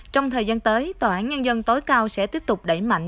trong thời gian tới tòa án nhân dân tối cao sẽ tiếp tục đẩy mạnh